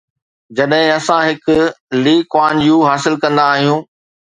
جڏهن اسان هڪ لي ڪوان يو حاصل ڪنداسين؟